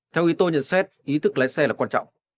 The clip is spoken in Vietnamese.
theo ito nhận xét ý thức lái xe là quan trọng